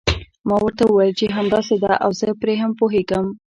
ما ورته وویل چې همداسې ده او زه هم پرې پوهیږم.